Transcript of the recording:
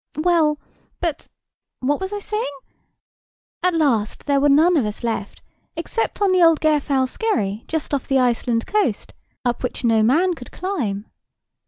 Well—but—what was I saying? At last, there were none of us left, except on the old Gairfowlskerry, just off the Iceland coast, up which no man could climb.